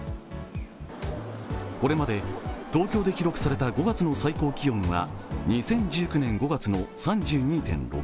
これまで東京で記録された５月の最高気温は２０１９年５月の３２．６度。